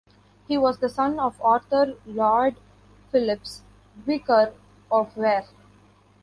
He was the son of Arthur Lloyd-Phillips, Vicar of Ware.